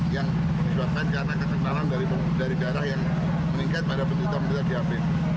yang disebabkan karena kesebangan dari darah yang meningkat pada penyumbatan diabetes